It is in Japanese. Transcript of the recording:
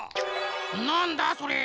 なんだそれ？